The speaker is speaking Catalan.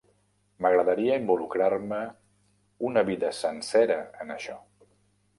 M'agradaria involucrar-me una vida sencera en això.